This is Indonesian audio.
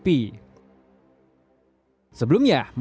sebelumnya motogp selalu dipercaya sebagai musim yang terbaik